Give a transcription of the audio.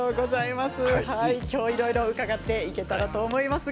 今日いろいろ伺っていけたらと思います。